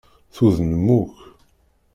Tuḍnem akk.